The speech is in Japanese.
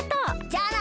じゃあな。